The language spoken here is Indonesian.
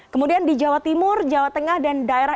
kemudian di jawa timur jawa tengah dan daerah istimewa jawa barat